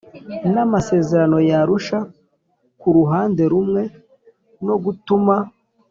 n amasezerano y Arusha ku ruhande rumwe no gutuma